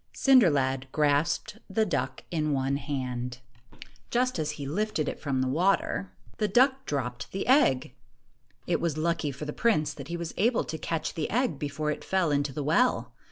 Cinder lad grasped the duck in one hand. 1 15 Just as he lifted it from the water, the duck dropped the egg. It was lucky for the prince that he was able to catch the egg before it fell into the well.